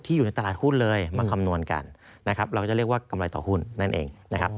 ที่อยู่ในตลาดหุ้นเลยมาคำนวณกันเราก็จะเรียกว่ากำไรต่อหุ้นนั่นเอง